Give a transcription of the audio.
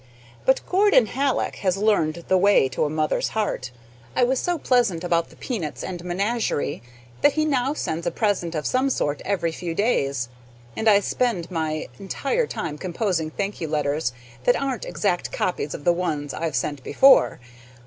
But Gordon Hallock has learned the way to a mother's heart. I was so pleasant about the peanuts and menagerie that now he sends a present of some sort every few days, and I spend my entire time composing thank you letters that aren't exact copies of the ones I've sent before.